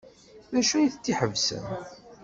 D acu ay t-iḥebsen?